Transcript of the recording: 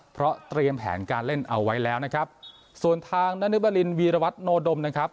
เพราะเตรียมแผนการเล่นเอาไว้แล้วนะครับส่วนทางนึบรินวีรวัตโนดมนะครับ